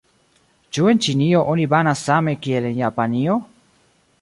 Ĉu en Ĉinio oni banas same kiel en Japanio?